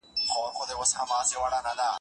په یوه منډه تلل